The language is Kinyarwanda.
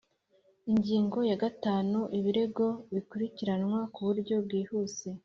Ingingo ya gatanu Ibirego bikurikiranwa ku buryo bwihuse